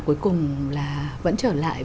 cuối cùng là vẫn trở lại